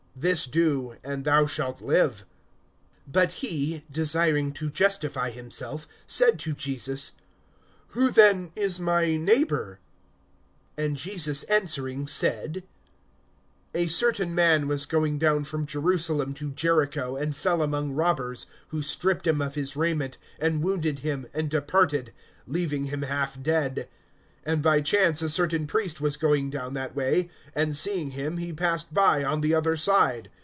This do, and thou shalt live. (29)But he, desiring to justify himself, said to Jesus: Who then is my neighbor? (30)And Jesus answering said: A certain man was going down from Jerusalem to Jericho, and fell among robbers, who stripped him of his raiment, and wounded him, and departed, leaving him half dead. (31)And by chance a certain priest was going down that way; and seeing him, he passed by on the other side.